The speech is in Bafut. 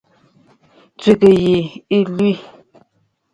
Ǹtɔ̀ŋgə̂ yi ɨ lwì.